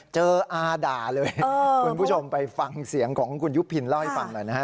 อาด่าเลยคุณผู้ชมไปฟังเสียงของคุณยุพินเล่าให้ฟังหน่อยนะฮะ